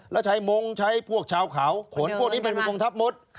แล้วใช้มงค์ใช้พวกชาวขาวขนพวกนี้เป็นผู้ตรงทับหมด